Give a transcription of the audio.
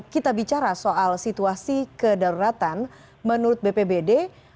kita bicara soal situasi kedaruratan menurut bpbd